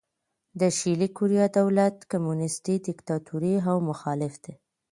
د شلي کوریا دولت کمونیستي دیکتاتوري او مخالف دی.